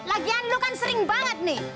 lagian dulu kan sering banget nih